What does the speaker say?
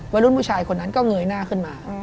วัยรุ่นผู้ชายคนนั้นก็เงยหน้าขึ้นมา